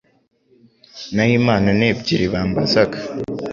Na ho imana ni ebyiri bambazaga